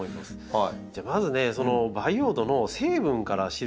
はい。